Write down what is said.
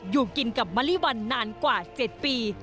อยู่กินกับมะลิวันนานกว่า๗ปี